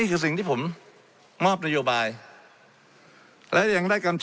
และมีผลกระทบไปทุกสาขาอาชีพชาติ